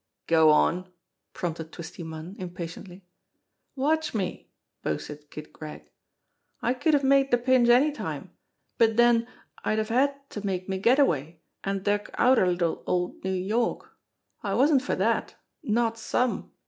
"Go on!" prompted Twisty Munn impatiendy. "Watch me !" boasted Kid Gregg. "I could have made de pinch anytime, but den I'd have had to make me get away, an' duck outer little old New York. I wasn't for dat not some!